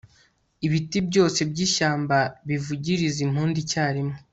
ibiti byose by'ishyamba bivugirize impundu icyarimwe